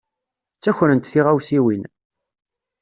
Ttakrent tiɣawsiwin.